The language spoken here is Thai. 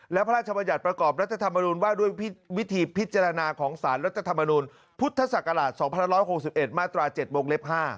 และพระราชบัญญัติประกอบรัฐธรรมนุนว่าด้วยวิธีพิจารณาของสารรัฐธรรมนุนพุทธศักราช๒๑๖๑มาตรา๗วงเล็บ๕